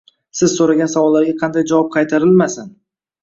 Siz so’ragan savolga qanday javob qaytarilmasin